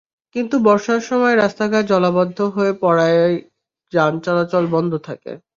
কিন্তু বর্ষার সময় রাস্তাঘাট জলাবদ্ধ হয়ে পড়ায় যান চলাচল বন্ধ থাকে।